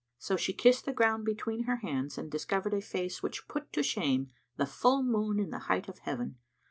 So she kissed the ground between her hands and discovered a face which put to shame the full moon in the height of heaven.